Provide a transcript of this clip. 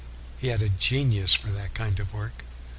He had a genius for that kind of work.